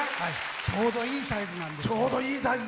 ちょうどいいサイズなんですよ。